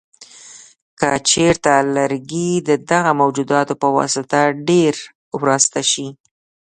که چېرته لرګي د دغه موجوداتو په واسطه ډېر وراسته شي.